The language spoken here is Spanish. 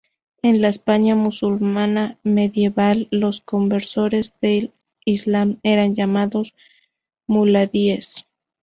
En la España musulmana medieval los conversos al islam eran llamados muladíes.